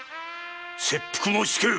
切腹申しつける！